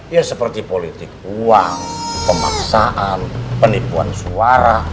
ya seperti politik uang pemaksaan penipuan suara